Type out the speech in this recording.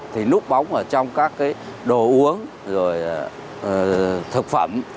thì núp bóng ở trong các cái đồ uống rồi thực phẩm